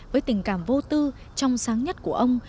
với tình cảm vô tư trong sáng nhất của ông